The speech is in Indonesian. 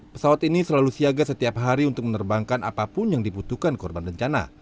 pesawat ini selalu siaga setiap hari untuk menerbangkan apapun yang dibutuhkan korban bencana